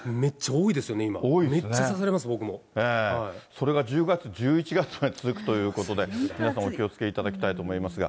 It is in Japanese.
それが１０月、１１月まで続くということで、皆さんもお気をつけいただきたいと思いますが。